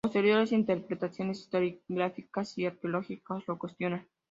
Posteriores interpretaciones historiográficas y arqueológicas lo cuestionan.